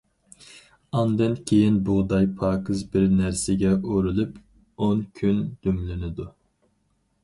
ئاندىن كېيىن بۇغداي پاكىز بىر نەرسىگە ئورىلىپ ئون كۈن دۈملىنىدۇ.